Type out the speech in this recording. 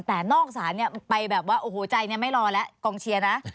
แต่นอกสารเนี่ยไปแบบว่าโอ้จัยเนี่ยยังไม่รอละกองเชียระ